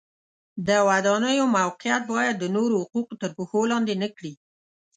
د ودانیو موقعیت باید د نورو حقوق تر پښو لاندې نه کړي.